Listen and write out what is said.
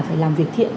phải làm việc thiện